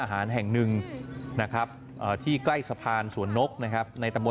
พี่คุณผู้ชมครับดูตอนจมไปพร้อมกันเนี้ยนะครับ